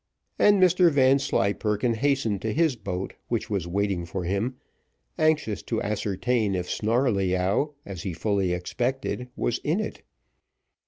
And Mr Vanslyperken hastened to his boat, which was waiting for him; anxious to ascertain if Snarleyyow, as he fully expected, was in it.